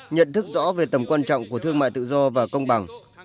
nhận thức rõ về tầm quan trọng của thương mại tự do và công bằng